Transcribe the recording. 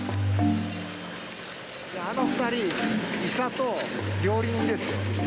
あの２人医者と料理人ですよ。